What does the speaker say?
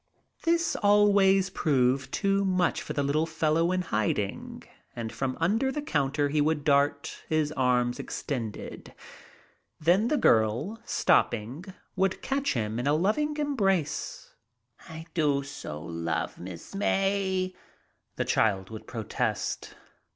This always proved too much for the little fellow in hiding, and from under the counter he would dart, his arms extended. Then the girl, stopping, would catch him in a loving embrace. "I do so love Miss May," the child would protest.